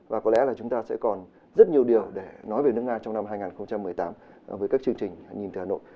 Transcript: và có lẽ là chúng ta sẽ còn rất nhiều điều để nói về nước nga trong năm hai nghìn một mươi tám với các chương trình nhìn từ hà nội